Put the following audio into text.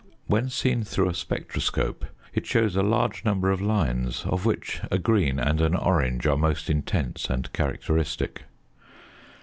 When seen through a spectroscope, it shows a large number of lines, of which a green and an orange are most intense and characteristic.